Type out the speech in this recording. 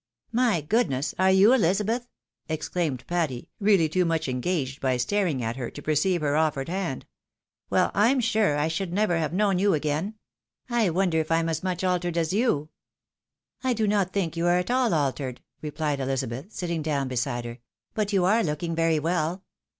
^" My goodness ! Are you Ehzabeth ?" exclaimed Patty, reaUy too much engaged by staring at her, to perceive her offered hand. " Well, Pm sure I should never have known you again — ^I wonder if Pm as much altered as you ?"" I do not think you are at aU altered," repHed Elizabeth, sitting down beside her. " But you are looking very well."